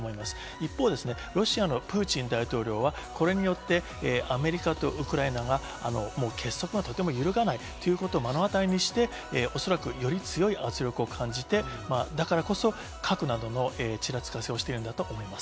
一方、ロシアのプーチン大統領はこれによって、アメリカとウクライナが結束がとても揺るがないということを目の当たりにして、おそらく、より強い圧力を感じて、だからこそ、核などのちらつかせをしているんだと思います。